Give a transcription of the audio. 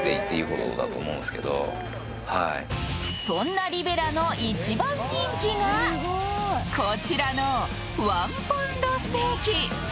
そんなリベラの一番人気が、こちらの１ポンドステーキ。